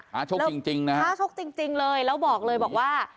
ท้าชกจริงจริงนะครับท้าชกจริงจริงเลยแล้วบอกเลยบอกว่า